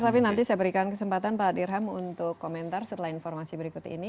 tapi nanti saya berikan kesempatan pak dirham untuk komentar setelah informasi berikut ini